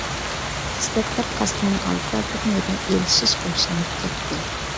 خىسلەتدار قەسىرنىڭ ئالدىدا بىر مەيدان ئېلىشىش باشلىنىپ كەتتى.